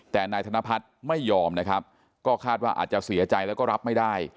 แต่นายธนพัฒน์ไม่ยอมนะครับก็คาดว่าอาจจะเสียใจแล้วก็รับไม่ได้